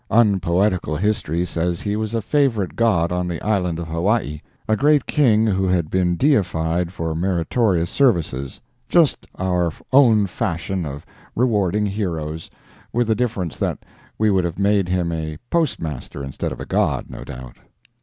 Unpoetical history says he was a favorite god on the island of Hawaii—a great king who had been deified for meritorious services—just our own fashion of rewarding heroes, with the difference that we would have made him a Postmaster instead of a god, no doubt.